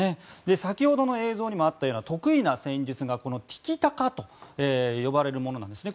先ほどの映像にもあったような特異な戦術がティキ・タカっていうものなんですね。